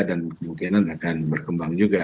dan kemungkinan akan berkembang juga